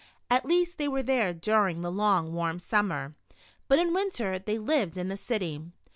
At least they were there dur ing the long, warm summer, but in winter they lived in the city.